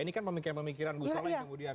ini kan pemikiran pemikiran gusola yang kemudian